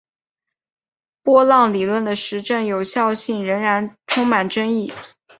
波浪理论的实证有效性仍然充满争议。